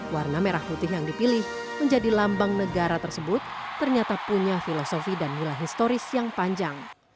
warna merah putih yang dipilih menjadi lambang negara tersebut ternyata punya filosofi dan nilai historis yang panjang